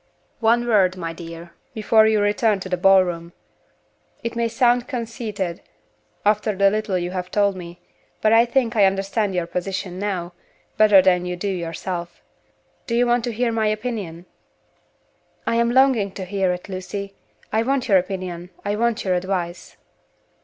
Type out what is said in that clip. "One word, my dear, before you return to the ball room. It may sound conceited, after the little you have told me; but I think I understand your position now, better than you do yourself. Do you want to hear my opinion?" "I am longing to hear it, Lucy! I want your opinion; I want your advice."